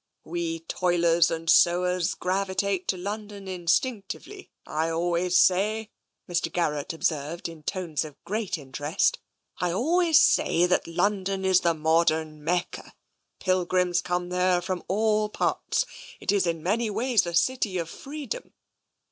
" We toilers and sowers gravitate to London instinc tively. I always say," Mr. Garrett observed, in tones of great interest, " I always say that London is the modem Mecca. Pilgrims come there from all parts. It is, in many ways, a city of freedom.